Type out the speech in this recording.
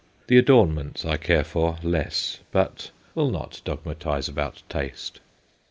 The adorn ments I care for less, but will not dogmatise about taste.